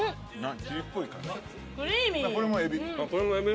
これもエビ。